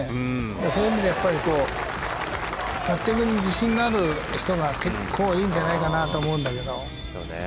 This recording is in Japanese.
そういう意味ではパッティングに自信がある人が結構、いいんじゃないかなと思うんだけど。